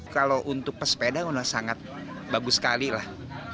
kalau untuk pesepeda memang sangat bagus sekali lah